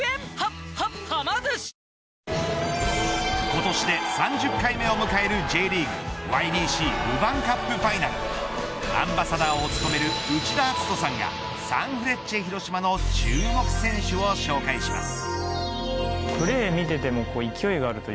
今年で３０回目を迎えるＪリーグＹＢＣルヴァンカップファイナルアンバサダーを務める内田篤人さんがサンフレッチェ広島の注目選手を紹介します。